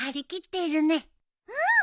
うん。